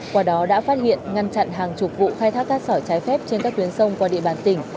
qua đó đã phát hiện ngăn chặn hàng chục vụ khai thác cát sỏi trái phép trên các tuyến sông qua địa bàn tỉnh